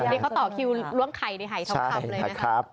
เด็กเขาต่อคิวล่วงไข่สำคัญเลยนะครับ